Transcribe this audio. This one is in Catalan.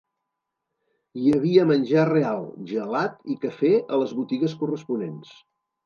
Hi havia menjar real, gelat i cafè a les botigues corresponents.